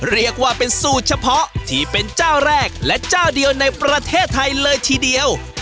เรียกว่าเป็นสูตรเฉพาะที่เป็นเจ้าแรกและเจ้าเดียวในประเทศไทยเลยทีเดียว